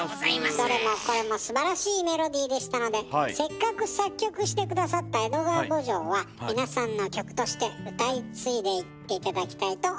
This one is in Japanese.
どれもこれもすばらしいメロディーでしたのでせっかく作曲して下さった「江戸川慕情」は皆さんの曲として歌い継いでいって頂きたいと思います。